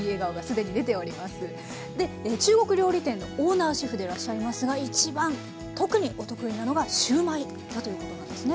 で中国料理店のオーナーシェフでいらっしゃいますが一番特にお得意なのがシューマイだということなんですね？